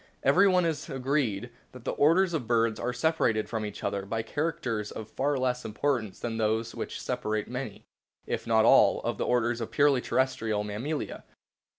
Everyone is agreed that the orders of birds are separated from each other by characters of far less importance than those which separate many, if not all, of the orders of the purely terrestrial mammalia.